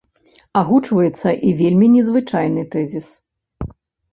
Агучваецца і вельмі незвычайны тэзіс.